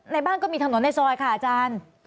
ในบ้านก็มีถนนในซอยค่ะอาจารย์